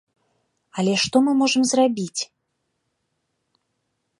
Але што мы можам зрабіць?